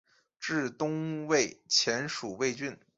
至东魏前属魏郡。